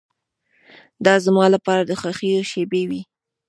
دا زما لپاره د خوښیو شېبې وې.